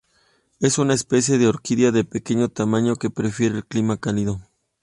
Es una especie de orquídea de pequeño tamaño que prefiere el clima cálido.